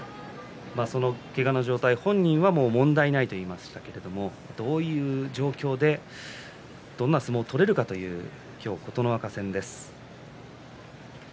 そのけがの状態本人は問題ないと言いましたけれどどういう状況でどんな相撲を取れるかという今日、琴ノ若戦です。